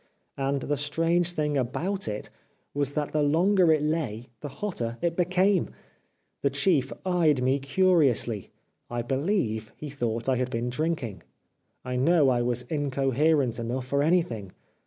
And the strange thing about it was that the longer it lay the hotter it became. The Chief eyed me curiously. I believe he thought I had been drinking. I know I was incoherent enough for anything.